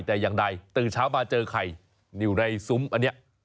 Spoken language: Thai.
แต่อย่างใดตื่นเช้ามาเจอไข่อยู่ในซุ้มอันนี้